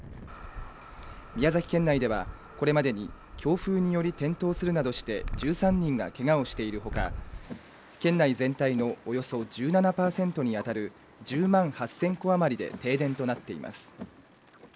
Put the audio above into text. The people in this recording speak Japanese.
宮崎県内ではこれまでに強風により転倒するなどして１３人がけがをしているほか、県内全体のおよそ１７％に当たる１０万８０００戸余りで停電となっています。